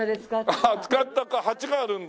ああ使った鉢があるんだ。